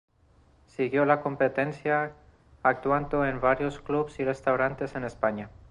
Siguió la competencia, actuando en varios clubes y restaurantes en España.